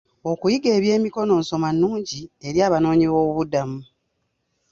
Okuyiga eby'emikono nsoma nnungi eri abanoonyiboobubudamu.